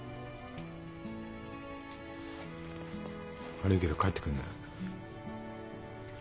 悪いけど帰ってくんない。